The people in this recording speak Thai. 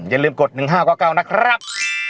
อย่าลืมกดหนึ่งห้ากว่าเก้านะครับ